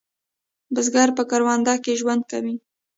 بزګر په کروندو کې ژوند کوي